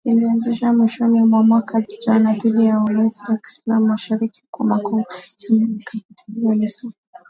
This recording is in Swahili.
iliyoanzishwa mwishoni mwa mwaka jana dhidi ya waasi wa kiislam mashariki mwa Kongo msemaji wa mikakati hiyo alisema